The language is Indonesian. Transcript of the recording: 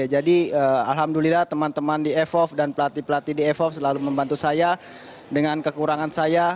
jadi alhamdulillah teman teman di evov dan pelatih pelatih di evov selalu membantu saya dengan kekurangan saya